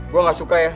gue gak suka ya